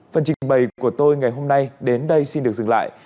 phần trình bày của tôi ngày hôm nay đến đây xin được dừng lại